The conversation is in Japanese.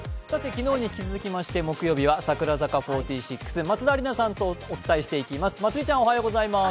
昨日に続きまして木曜日は櫻坂４６、松田里奈さんとお伝えしていきます。